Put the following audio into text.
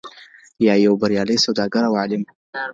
یا یو بریالی سوداګر او عالم؟